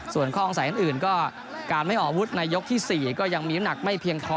ส่วนข้อสงสัยอื่นก็การไม่ออกอาวุธในยกที่๔ก็ยังมีน้ำหนักไม่เพียงพอ